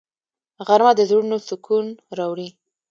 غرمه د زړونو سکون راوړي